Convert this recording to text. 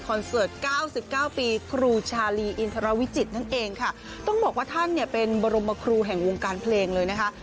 เสิร์ตเก้าสิบเก้าปีครูชาลีอินทรวิจิตนั่นเองค่ะต้องบอกว่าท่านเนี่ยเป็นบรมครูแห่งวงการเพลงเลยนะคะ